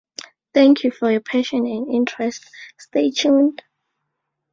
Thank you for your passion and interest - stay tuned.